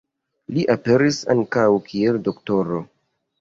Li aperis ankaŭ kiel Dro.